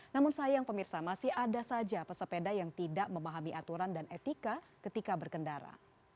namun sayang pemirsa masih ada saja pesepeda yang tidak memahami aturan dan etika ketika berkendara